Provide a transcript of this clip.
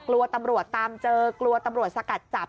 กลัวตำรวจตามเจอกลัวตำรวจสกัดจับ